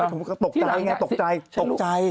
ผมตกใจอย่างไรอ่ะตกใจ